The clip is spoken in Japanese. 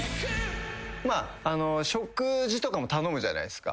食事とかも頼むじゃないっすか。